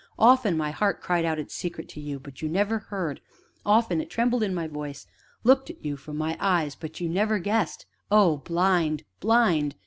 Often my heart cried out its secret to you but you never heard; often it trembled in my voice, looked at you from my eyes but you never guessed Oh, blind! blind!